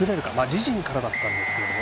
自陣からだったんですけれども。